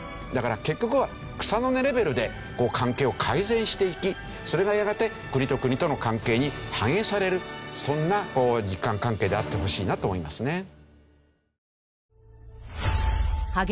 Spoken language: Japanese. だから結局は草の根レベルで関係を改善していきそれがやがて国と国との関係に反映されるそんな日韓関係であってほしいなと思いますね。